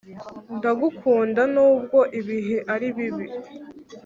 Ndakugunda nubwo ibihe aribibi